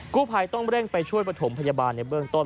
กู้ภัยต้องเร่งไปช่วยประถมพยาบาลในเบื้องต้น